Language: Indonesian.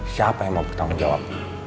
siapa yang mau bertanggung jawab